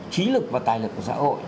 chí lực và tài lực của xã hội